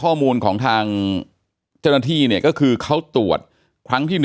ข้อมูลของทางเจ้าหน้าที่เนี่ยก็คือเขาตรวจครั้งที่๑